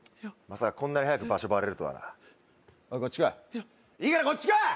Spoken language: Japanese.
まさかこんなに早く場所バレるとはなおいこっち来いいいからこっち来い！